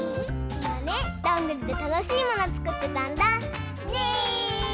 いまねどんぐりでたのしいものつくってたんだ。ね！